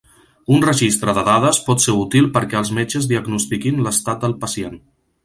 Un registre de dades pot ser útil perquè els metges diagnostiquin l'estat del pacient.